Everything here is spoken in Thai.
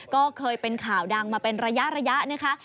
ก็เคยเป็นข่าวดังมาเป็นระยะนะคะ